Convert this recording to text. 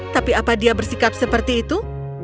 tapi apa dia bersikap seperti itu